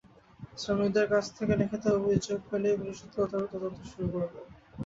শ্রমিকদের কাছ থেকে লিখিত অভিযোগ পেলেই পুলিশ সদর দপ্তর তদন্ত শুরু করবে।